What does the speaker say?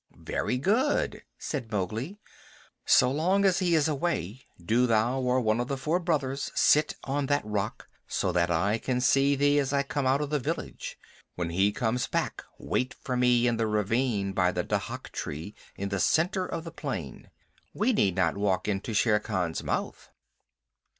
"Very good," said Mowgli. "So long as he is away do thou or one of the four brothers sit on that rock, so that I can see thee as I come out of the village. When he comes back wait for me in the ravine by the dhak tree in the center of the plain. We need not walk into Shere Khan's mouth."